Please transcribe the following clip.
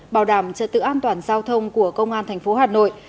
bảo đảm trật tự an toàn giao thông của công an tp hà nội